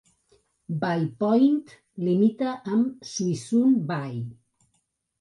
Bay Point limita amb Suisun Bay.